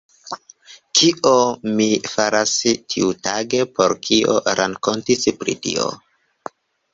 Kion mi faras ĉiutage; por kio rakonti pri tio!